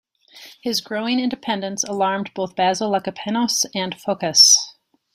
His growing independence alarmed both Basil Lekapenos and Phokas.